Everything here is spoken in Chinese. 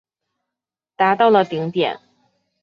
达到了顶点。